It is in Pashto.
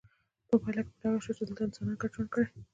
په پایله کې په ډاګه شوه چې دلته انسانانو ګډ ژوند کړی